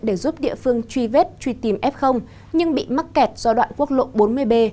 để giúp địa phương truy vết truy tìm f nhưng bị mắc kẹt do đoạn quốc lộ bốn mươi b